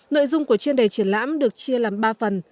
nội dung của chuyên đề triển lãm được chia làm ba phần